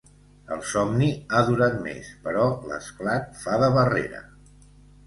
El somni ha durat més, però l'esclat fa de barrera.